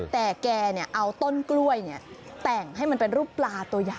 แต่แกเอาต้นกล้วยแต่งให้มันเป็นรูปปลาตัวใหญ่